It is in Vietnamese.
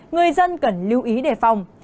người dân cần lưu ý đề phòng